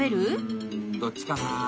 どっちかな？